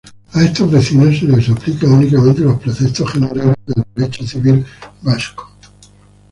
A estos vecinos se les aplican únicamente los preceptos generales del derecho civil vasco.